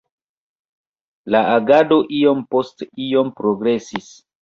La agado iom post iom progresis.